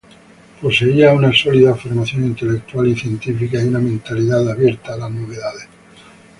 Poseía una sólida formación intelectual y científica y una mentalidad abierta a las novedades.